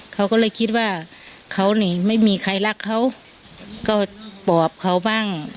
เขาก็เลยคิดว่าเขานี่ไม่มีใครรักเขาก็ปอบเขาบ้าง